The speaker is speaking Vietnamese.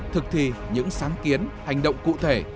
thực thi những sáng kiến hành động cụ thể